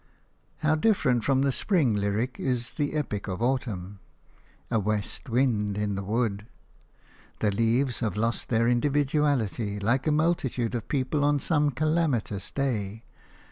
How different from this spring lyric is the epic of autumn – a west wind in the wood! The leaves have lost their individuality, like a multitude of people on some calamitous day.